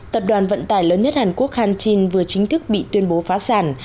tập đoàn vận tải lớn nhất hàn quốc khantin vừa chính thức bị tuyên bố phá sản